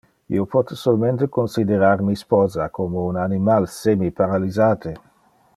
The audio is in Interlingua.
Io pote solmente considerar mi sposa como un animal semiparalysate.